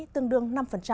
tương đương năm